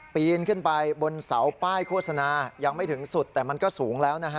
ปีนขึ้นไปบนเสาป้ายโฆษณายังไม่ถึงสุดแต่มันก็สูงแล้วนะฮะ